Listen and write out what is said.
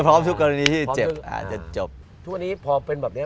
พร้อมทุกกรณีที่เจ็บจะจบ